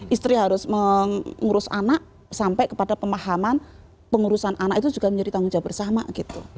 istri harus mengurus anak sampai kepada pemahaman pengurusan anak itu juga menjadi tanggung jawab bersama gitu